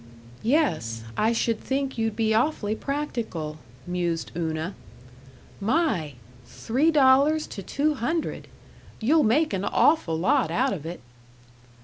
"Yes, I should think you'd be awfully practical," mused Una. "My! three dollars to two hundred! You'll make an awful lot out of it."